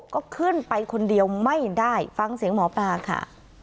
ก็ขึ้นไปคนเดียวไม่ได้ฟังเสียงหมอปลาค่ะ